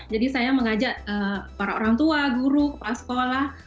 jadi saya mengajak para orang tua guru kepala sekolah